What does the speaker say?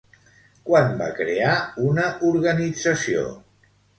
Quan va crear una organització?